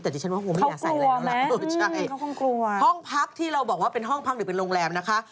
แต่ดิฉันว่าคงไม่อยากใส่แล้วแหละห้องพักที่เราบอกว่าเป็นห้องพักหรือเป็นโรงแรมนะคะ